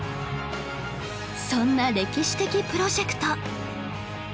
そんな歴史的プロジェクト